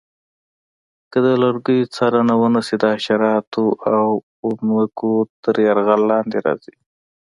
که د لرګیو څارنه ونه شي د حشراتو او پوپنکو تر یرغل لاندې راځي.